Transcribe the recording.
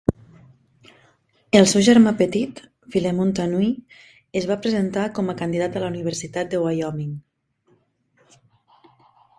El seu germà petit, Philemon Tanui es va presentar com a candidat a la Universitat de Wyoming.